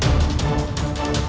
ya maksudnya fox